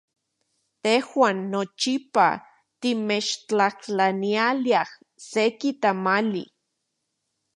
Tejuan nochipa timechtlajtlaniliaj seki tamali.